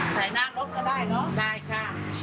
ใส่หน้ารถก็ได้เนอะได้ค่ะ